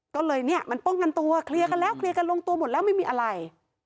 ก็เลยเนี่ยมันป้องกันตัวเคลียร์กันแล้วเคลียร์กันลงตัวหมดแล้วไม่มีอะไร